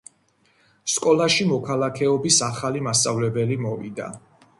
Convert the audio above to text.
სკოლაში მოქალაქეობის ახალი მასწავლებელი მოვიდა